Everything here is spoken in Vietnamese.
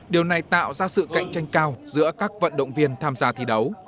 điều này tạo ra sự cạnh tranh cao giữa các vận động viên tham gia thi đấu